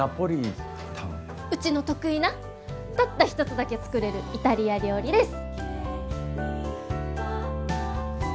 うちの得意なたった一つだけ作れるイタリア料理です！